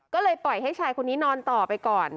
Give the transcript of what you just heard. ก็เลยปล่อยให้ชายคนนี้นอนต่อไปก่อน